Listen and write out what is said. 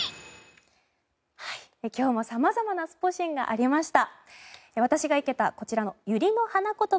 今日も様々なスポ神がありました。